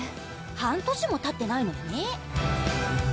半年もたってないのにね。